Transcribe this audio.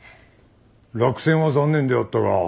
落選は残念であったが。